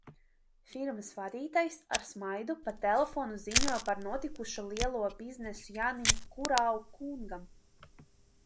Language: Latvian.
Firmas vadītājs, ar smaidu, pa telefonu ziņoja par notikušo lielo biznesu Jānim Kurau kungam.